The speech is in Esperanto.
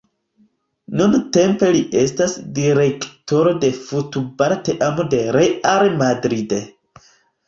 Nuntempe li estas direktoro de futbala teamo de Real Madrid.